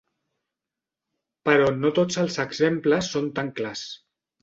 Però no tots els exemples són tan clars.